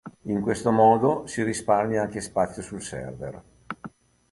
In questo modo si risparmia anche spazio sul server.